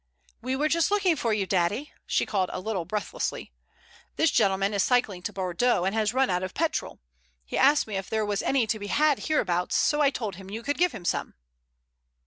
"We were just looking for you, daddy," she called a little breathlessly. "This gentleman is cycling to Bordeaux and has run out of petrol. He asked me if there was any to be had hereabouts, so I told him you could give him some."